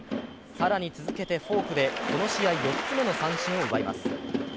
更に続けてフォークでこの試合４つ目の三振を奪います。